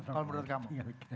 kalau menurut kamu